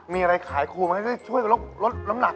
มีอะไรขายคุณค่อนข้างจะได้ช่วยลดรำหนัก